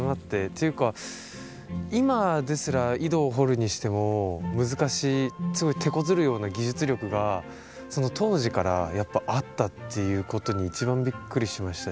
というか今ですら井戸を掘るにしても難しいすごいてこずるような技術力が当時からやっぱあったっていうことに一番びっくりしました。